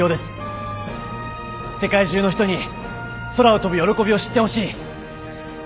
世界中の人に空を飛ぶ喜びを知ってほしい。